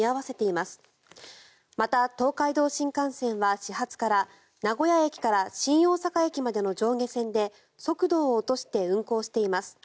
また、東海道新幹線は始発から名古屋駅から新大阪駅までの上下線で速度を落として運行しています。